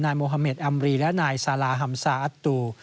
โมฮาเมดอัมรีและนายซาลาฮัมซาอัตตู